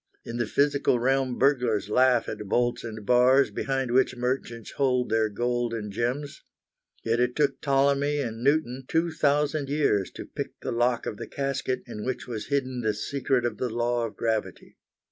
In the physical realm burglars laugh at bolts and bars behind which merchants hide their gold and gems. Yet it took Ptolemy and Newton 2,000 years to pick the lock of the casket in which was hidden the secret of the law of gravity.